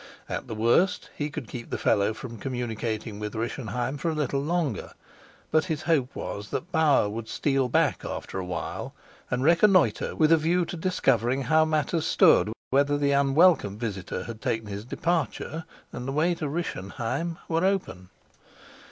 At the worst he could keep the fellow from communicating with Rischenheim for a little longer, but his hope was that Bauer would steal back after a while and reconnoitre with a view to discovering how matters stood, whether the unwelcome visitor had taken his departure and the way to Rischenheim were open.